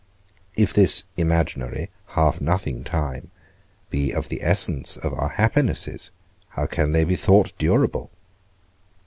If this imaginary, half nothing time, be of the essence of our happinesses, how can they be thought durable?